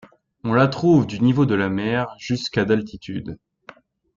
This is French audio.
On la trouve du niveau de la mer jusqu'à d'altitude.